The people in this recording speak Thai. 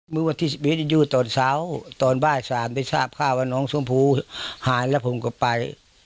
เมื่อวันที่๑๑อยู่ตอนเช้าตอนบ่าย๓ไปทราบข่าวว่าน้องชมพู่หายแล้วผมก็ไป